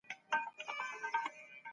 سخي د خدای او خلکو محبوب دی.